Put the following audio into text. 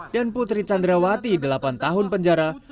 dan putri candrawati delapan tahun penjara